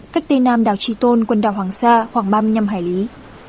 cách tây nam đảo trì tôn quần đảo hoàng sa khoảng ba mươi năm hải lý